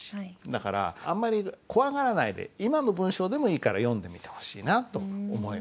だからあんまり怖がらないで今の文章でもいいから読んでみてほしいなと思います。